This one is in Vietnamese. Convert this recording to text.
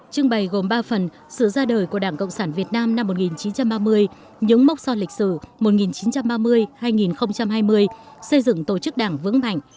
trưng bày gồm ba phần sự ra đời của đảng cộng sản việt nam năm một nghìn chín trăm ba mươi những mốc son lịch sử một nghìn chín trăm ba mươi hai nghìn hai mươi xây dựng tổ chức đảng vững mạnh